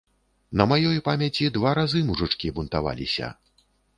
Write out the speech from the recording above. На маёй памяці два разы мужычкі бунтаваліся.